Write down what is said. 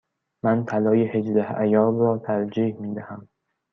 من طلای هجده عیار را ترجیح می دهم.